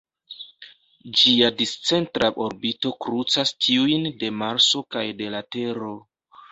Ĝia discentra orbito krucas tiujn de Marso kaj de la Tero.